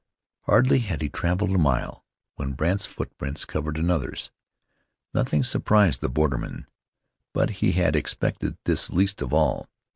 Hardly had he traveled a mile when Brandt's footprints covered another's. Nothing surprised the borderman; but he had expected this least of all.